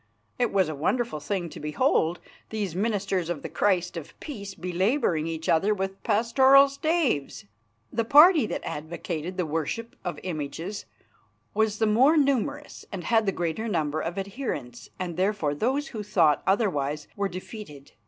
It was a wonderful thing to behold, these ministers of the Christ of peace belabouring each other with pastoral staves! The party that advocated the worship of images was the more numerous and had the greater number of adherents, and therefore those who thought otherwise were defeated.